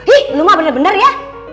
wih lu mah bener bener ya